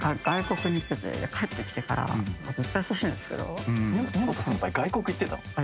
外国に行ってて帰ってきてからずっと優しいんですけど根本先輩外国行ってたの？